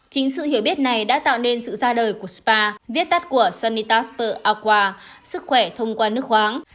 chính sự hiểu biết này đã tạo nên sự ra đời của spa viết tắt của sunitaster aqua sức khỏe thông qua nước khoáng